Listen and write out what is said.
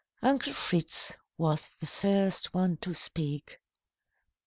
Uncle Fritz was the first one to speak.